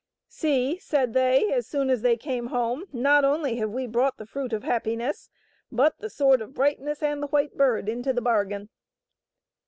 " See," said they, as soon as they came home, " not only have we brought the Fruit of Happiness, but the Sword of Brightness and the White Bird into the bargain."